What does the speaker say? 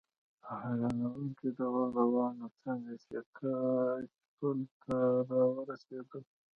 په حیرانوونکي ډول روان و، څنګه چې پل ته را ورسېدل.